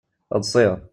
Ḍṣiɣ.